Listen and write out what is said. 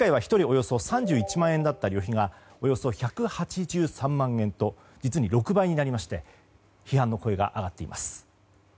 およそ３１万円だった旅費がおよそ１８３万円と実に６倍になりまして批判の声が上がっています。